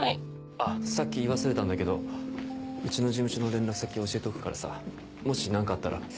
あっさっき言い忘れたんだけどうちの事務所の連絡先教えとくからさもし何かあったら。